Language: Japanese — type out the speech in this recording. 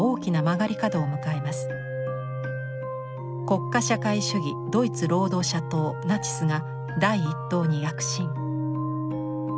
国家社会主義ドイツ労働者党ナチスが第一党に躍進。